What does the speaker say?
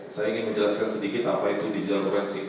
saya ingin menjelaskan sedikit apa itu digital forensik